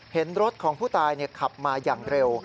เห็นรถของผู้ตายขับมาอย่างเร็ว